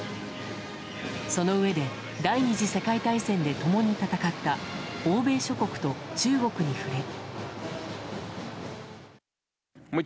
そのうえで第２次世界大戦で共に戦った欧米諸国と中国に触れ。